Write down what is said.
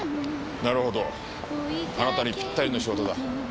なるほどあなたにぴったりの仕事だ。